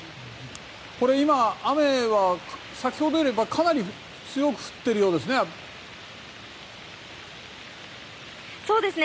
雨は先ほどよりも、かなり強く降っているようですね。